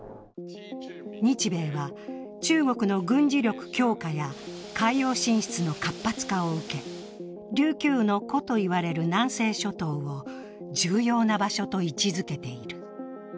日米は、中国の軍事力強化や海洋進出の活発化を受け、琉球の弧といわれる南西諸島を重要な場所と位置づけている。